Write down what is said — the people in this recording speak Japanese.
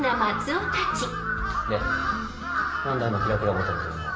で問題のキラキラボトルというのは？